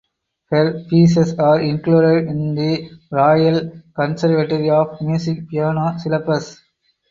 Her pieces are included in the Royal Conservatory of Music Piano Syllabus.